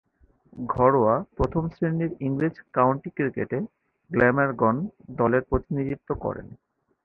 ঘরোয়া প্রথম-শ্রেণীর ইংরেজ কাউন্টি ক্রিকেটে গ্ল্যামারগন দলের প্রতিনিধিত্ব করেন।